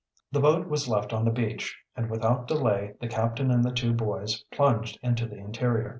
The boat was left on the beach and without delay the captain and the two boys plunged into the interior.